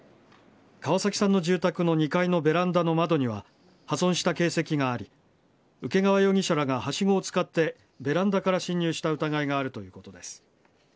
川崎さんの住宅の２階のベランダの窓には破損した形跡があり請川容疑者らがはしごを使ってベランダから侵入した疑いがあるということです。